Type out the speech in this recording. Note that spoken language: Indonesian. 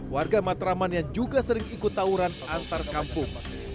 warga matraman yang juga sering ikut tawuran antar kampung